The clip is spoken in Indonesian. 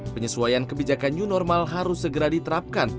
penyesuaian kebijakan new normal harus segera diterapkan